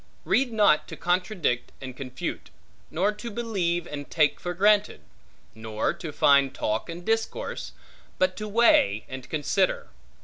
Read not to contradict and confute; nor to believe and take for granted; nor to find talk and discourse; but to weigh and consider.